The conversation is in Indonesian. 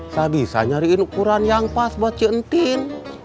saya bisa nyariin ukuran yang pas buat cientin